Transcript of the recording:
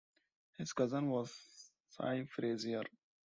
His cousin was Cie Frazier.